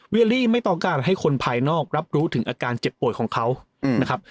ลี่ไม่ต้องการให้คนภายนอกรับรู้ถึงอาการเจ็บป่วยของเขานะครับ